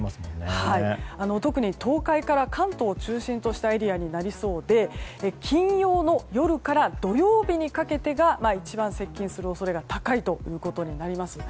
特に東海から関東を中心としたエリアになりそうで金曜の夜から土曜日にかけてがいい晩接近する恐れが高いということです。